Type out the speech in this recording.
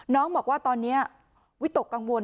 น้องบอกว่าตอนนี้วิตกกังวล